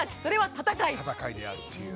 戦いであるという。